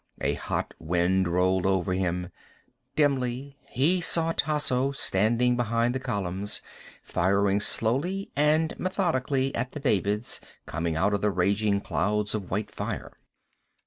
A hot wind rolled over him. Dimly he saw Tasso standing behind the columns, firing slowly and methodically at the Davids coming out of the raging clouds of white fire.